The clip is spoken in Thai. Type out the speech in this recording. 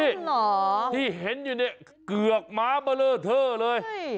นี่ที่เห็นอยู่เนี่ยเกือกม้าเบลอเท่าเลย